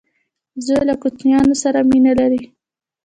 وزې له کوچنیانو سره مینه لري